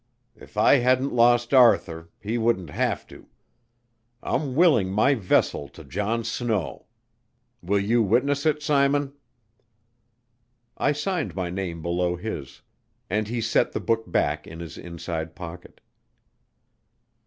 If I hadn't lost Arthur, he wouldn't have to. I'm willing my vessel to John Snow. Will you witness it, Simon?" I signed my name below his; and he set the book back in his inside pocket.